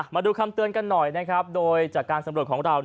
มาดูคำเตือนกันหน่อยนะครับโดยจากการสำรวจของเรา